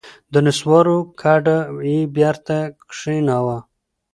د نسوارو کډه یې بېرته کښېناوه.